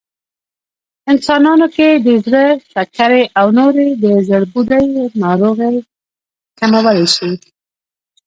انسانانو کې د زړه، شکرې او نورې د زړبوډۍ ناروغۍ کمولی شي